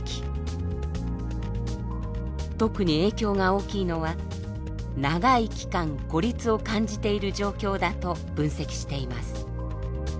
特に影響が大きいのは長い期間孤立を感じている状況だと分析しています。